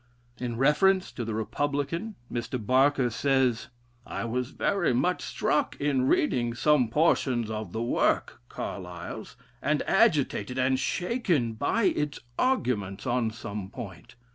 In reference to the "Republican," Mr. Barker says: "I was very much struck in reading some portions of the work [Carlile's], and agitated and shaken by its arguments on some points.